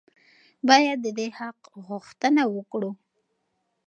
باید د دې حق غوښتنه وکړو.